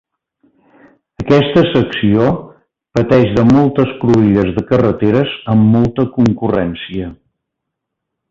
Aquesta secció pateix de moltes cruïlles de carreteres amb molta concurrència.